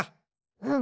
うん。